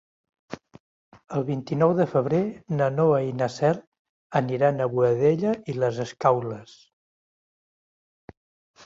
El vint-i-nou de febrer na Noa i na Cel aniran a Boadella i les Escaules.